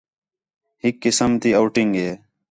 ہِک قسم تی آؤٹنگ ہِے